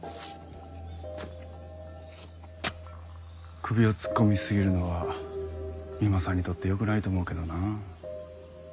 首を突っ込みすぎるのは三馬さんにとってよくないと思うけどな。